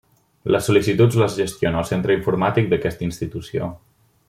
Les sol·licituds les gestiona el Centre Informàtic d'aquesta institució.